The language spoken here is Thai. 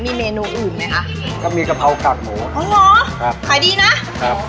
มีเมนูอื่นไหมคะก็มีกะเพรากากหมูอ๋อเหรอครับขายดีนะครับ